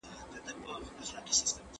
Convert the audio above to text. زه به سبا د سوالونو جواب ورکوم،